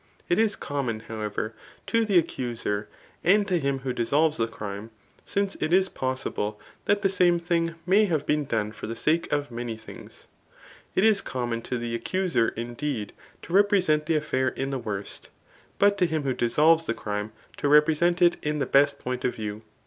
It is common, how ever, to the accuser, and to him who dissolves the crim^ since it is possible that the same thing may have been done for the sake of many things, — ^it is common to the accuser indeed, to represent the affair in the worst, but to him who dissolves the crime, to represent it in the best point of view.